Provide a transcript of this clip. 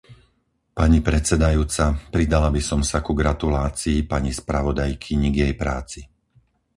Pani predsedajúca, pridala by som sa ku gratulácii pani spravodajkyni k jej práci..